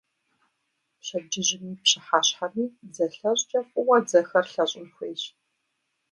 Пщэдджыжьми пщыхьэщхьэми дзэлъэщӀкӀэ фӀыуэ дзэхэр лъэщӀын хуейщ.